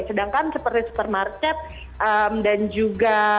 sedangkan seperti supermarket dan juga